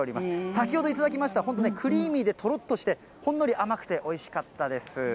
先ほど頂きました、本当ね、クリーミーでとろっとして、ほんのり甘くて、おいしかったです。